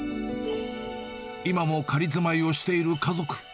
今も仮住まいをしている家族。